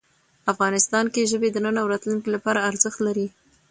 افغانستان کې ژبې د نن او راتلونکي لپاره ارزښت لري.